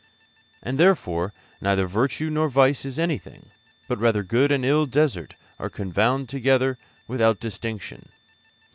And therefore neither virtue nor vice is anything, but rather good and ill desert are confounded together without distinction.